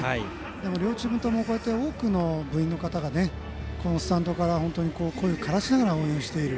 でも両チームともに多くの部員の方がこのスタンドから声を枯らしながら応援している。